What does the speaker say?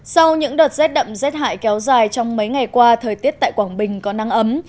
sau những đợt rét đậm rét hại kéo dài trong mấy ngày qua thời tiết tại quảng bình có nắng ấm